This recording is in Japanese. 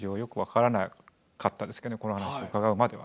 この話伺うまでは。